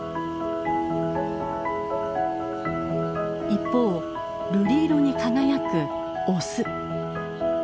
一方瑠璃色に輝くオス。